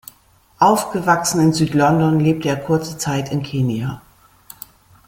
Aufgewachsen in Süd-London lebte er kurze Zeit in Kenia.